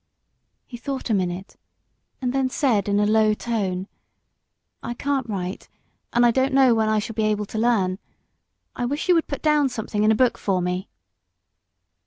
He thought a minute, and then said, in a low tone, "I can't write, and I don't know when I shall be able to learn; I wish you would put down something in a book for me."